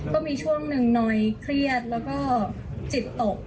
ก็มีช่วงหนึ่งหน่อยเครียดแล้วก็จิตตก